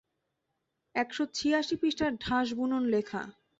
এক শ ছিয়াশি পৃষ্ঠার ঠাসবুনোন লেখা।